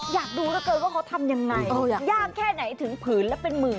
อยากดูเหลือเกินว่าเขาทำยังไงยากแค่ไหนถึงผืนแล้วเป็นหมื่น